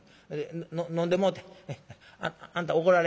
飲んでもうてあんた怒られ」。